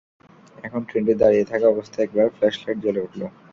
এখন ট্রেনটি দাঁড়িয়ে থাকা অবস্থায় একবার ফ্ল্যাশলাইট জ্বলে উঠল।